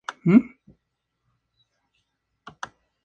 Y pasó un elefante.